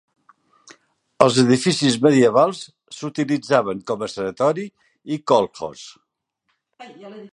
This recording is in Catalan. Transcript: Els edificis medievals s'utilitzaven com a sanatori i kolkhoz.